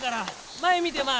前見て前。